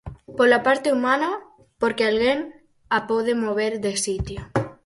Pola parte humana, porque alguén a pode mover de sitio.